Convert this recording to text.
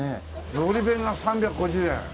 のり弁が３５０円。